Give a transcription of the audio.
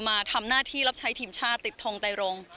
มาทำหน้าที่รับใช้ทีมชาติติดทองไตรง